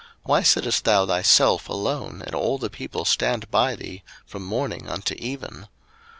why sittest thou thyself alone, and all the people stand by thee from morning unto even?